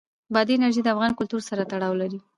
بادي انرژي د افغان کلتور سره تړاو لري.